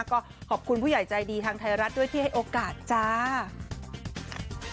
ก็ขอบคุณผู้ใหญ่ใจดีทางไทยรัฐด้วยที่ให้โอกาสจ้า